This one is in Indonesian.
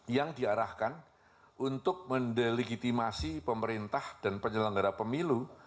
yang diarahkan untuk mendelegitimasi pemerintah dan penyelenggara pemilu